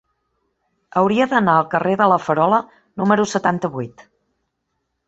Hauria d'anar al carrer de La Farola número setanta-vuit.